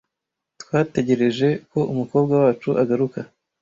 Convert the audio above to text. Twategereje ko umukobwa wacu agaruka.